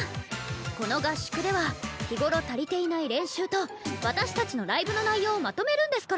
この合宿では日頃足りていない練習と私たちのライブの内容をまとめるんですから！